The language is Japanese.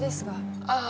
ああ。